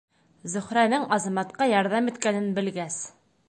Зөһрәнең Азаматҡа ярҙам иткәнен белгәс: